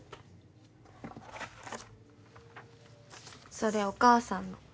それお母さんの。